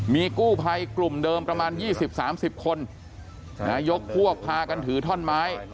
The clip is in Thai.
มีกู้ภัยกลุ่มเดิมประมาณ๒๐๓๐คนยกพวกพากันถือท่อนไม้